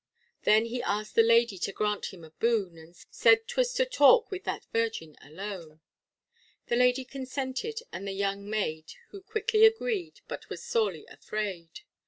Then he asked the lady to grant him a boon, And said 'twas to talk with that virgin alone; The lady consented, and the young maid, Who quickly agreed, but was sorely afraid.